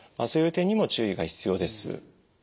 そういう点にも注意が必要です。